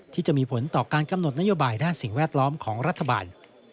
ที่มีผลต่อการกำหนดนโยบายด้านสิ่งแวดล้อมของรัฐบาล